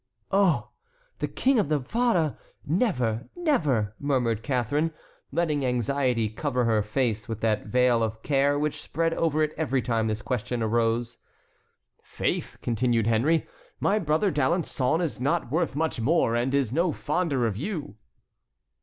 "Oh! the King of Navarre, never, never!" murmured Catharine, letting anxiety cover her face with that veil of care which spread over it every time this question arose. "Faith," continued Henry, "my brother D'Alençon is not worth much more, and is no fonder of you."